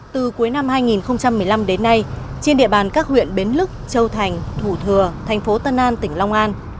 từ cuối năm hai nghìn một mươi năm đến nay trên địa bàn các huyện bến lức châu thành thủ thừa thành phố tân an tỉnh long an